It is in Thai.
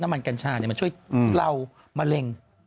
น้ำมันกัญชามันช่วยเล่ามะเร็ง